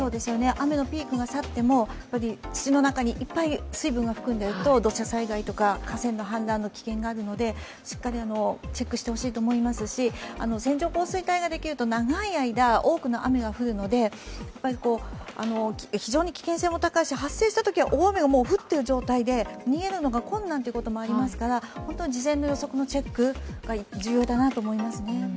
雨のピークが去っても土の中にいっぱい水分が含んでいると土砂災害とか河川の氾濫の危険があるので、しっかりチェックしてほしいと思いますし、線状降水帯ができると長い間、多くの雨が降るので非常に危険性も高いし発生したときは、大雨がもう降っている状態で逃げるのが困難ということもありますので、事前の予測のチェックが重要だなと思いますね。